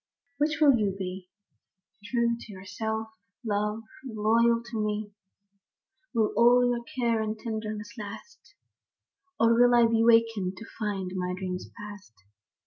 HIGH will you be, — True to yourself, love, and loyal to me ? Will all your care and your tenderness last ; Or will I be wakened to find my dreams past?